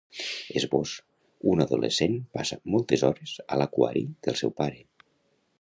Esbós: Una adolescent passa moltes hores a l’aquari del seu pare.